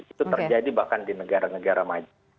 itu terjadi bahkan di negara negara maju